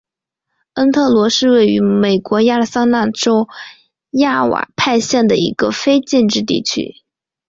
恩特罗是位于美国亚利桑那州亚瓦派县的一个非建制地区。